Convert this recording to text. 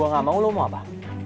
kalau gue gak mau lo mau apa